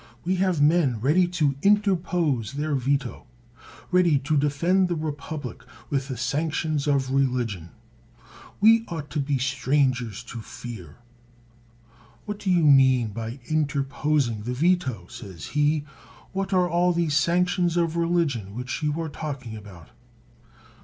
We have men ready to interpose their veto; ready to defend the republic with the sanctions of religion. We ought to be stran gers to fear. What do you mean by interposing the veto? says he ; what are all these sanctions of religion which you are talking about?